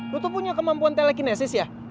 lo tuh punya kemampuan telekinesis ya